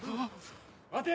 ・待て！